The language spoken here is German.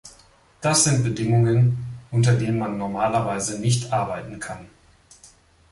Das sind Bedingungen, unter denen man normalerweise nicht arbeiten kann.